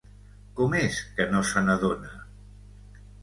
Com és que no se n'adona?